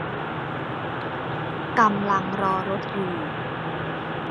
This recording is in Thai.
กำลังรอรถอยู่